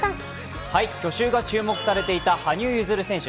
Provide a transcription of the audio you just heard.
去就が注目されていた羽生結弦選手。